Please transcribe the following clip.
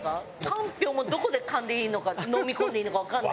かんぴょうもどこで噛んでいいのか飲み込んでいいのかわかんない。